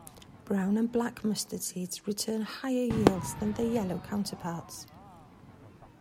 Brown and black mustard seeds return higher yields than their yellow counterparts.